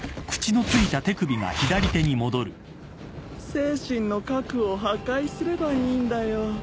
精神の核を破壊すればいいんだよ。